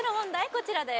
こちらです